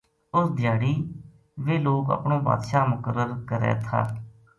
اس دھیاڑی ویہ لوک اپنو بادشاہ مقرر کرے تھا